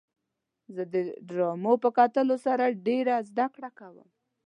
زه د ډرامو په کتلو سره ډېره زدهکړه کوم.